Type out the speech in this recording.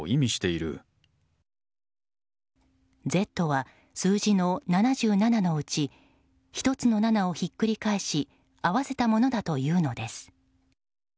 「Ｚ」は数字の７７のうち１つの７をひっくり返し合わせたものだというのです。